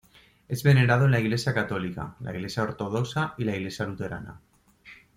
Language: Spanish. Es venerado en la Iglesia católica, la Iglesia ortodoxa, y la Iglesia Luterana